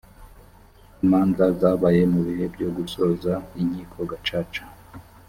imanza zabaye mu bihe byo gusoza inkiko gacaca